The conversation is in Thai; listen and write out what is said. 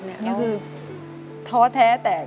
ก็คือท้อแท้แตก